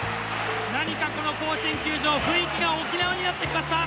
何かこの甲子園球場雰囲気が沖縄になってきました。